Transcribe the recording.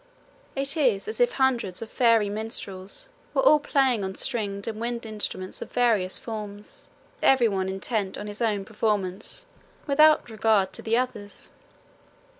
It is as if hundreds of fairy minstrels were all playing on stringed and wind instruments of various forms, every one intent on his own performance without regard to the others.